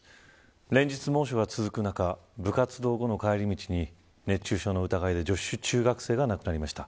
連日、猛暑が続く中部活動後の帰り道に熱中症の疑いで女子中学生が亡くなりました。